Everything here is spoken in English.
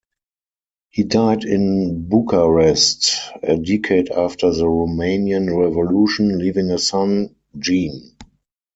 He died in Bucharest a decade after the Romanian Revolution, leaving a son, Jean.